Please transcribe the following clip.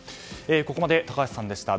ここまで高橋さんでした。